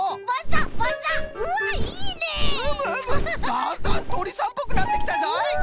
だんだんとりさんっぽくなってきたぞい。